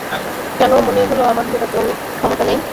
কেন মনে হলো আমার সেরকম সক্ষমতা নেই?